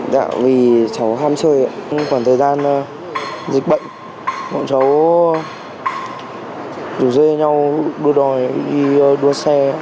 dạ vì cháu ham chơi khoảng thời gian dịch bệnh mọi cháu rủ rơi nhau đua đòi đi đua xe